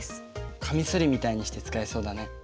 カミソリみたいにして使えそうだね。